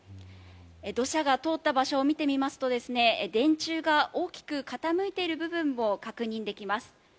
土砂が通った場所を見てみますと電柱が大きく傾いてる部分も確認できます。